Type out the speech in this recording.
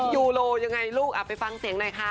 ยูโรยังไงลูกไปฟังเสียงหน่อยค่ะ